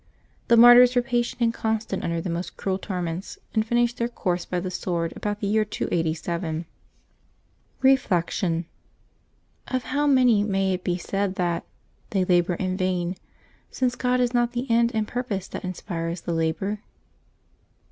The martyrs were patient and constant under the most cruel torments, and finished their course by the Bword about the year 287. Reflection. — Of how many may it be said that " they labor in vain,^' since God is not the end and purpose that inspires the labor?